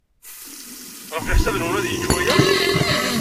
Ɣef leḥsab-nwent, ad yečč waya?